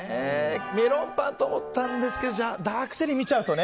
メロンパンって思ったんですけどダークチェリー見ちゃうとね。